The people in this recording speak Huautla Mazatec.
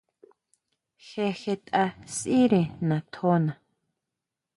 Je jetʼa sʼíre natjóná.